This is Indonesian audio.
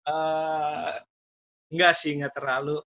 enggak sih gak terlalu